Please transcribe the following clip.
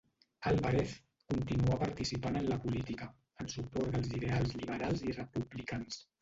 Álvarez continuà participant en la política, en suport dels ideals liberals i republicans.